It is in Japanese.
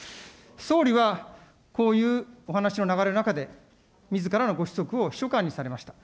総理はこういうお話の流れの中で、みずからのご子息を秘書官にされました。